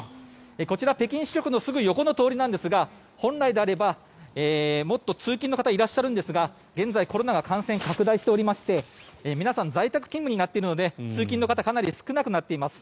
こちら北京市局のすぐ横の通りなんですが本来であれば、もっと通勤の方いらっしゃるんですが現在、コロナが感染拡大しておりまして皆さん、在宅勤務になっているので通勤の方かなり少なくなっています。